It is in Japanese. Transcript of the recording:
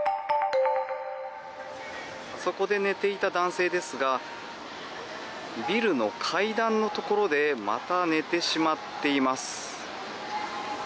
あそこで寝ていた男性ですがビルの階段のところでまた寝てしまっています。